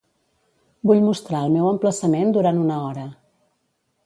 Vull mostrar el meu emplaçament durant una hora.